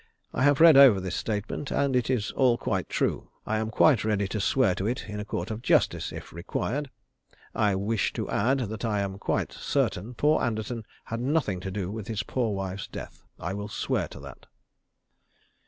I have read over this statement, and it is all quite true. I am quite ready to swear to it in a court of justice, if required. I wish to add, that I am quite certain poor Anderton had nothing to do with his poor wife's death. I will swear to that.